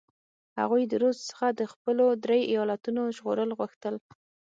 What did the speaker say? هغوی د رودز څخه د خپلو درې ایالتونو ژغورل غوښتل.